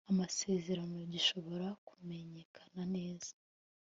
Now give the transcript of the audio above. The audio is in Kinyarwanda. amasezerano gishobora kumenyekana neza